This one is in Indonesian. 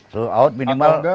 disuruh out minimal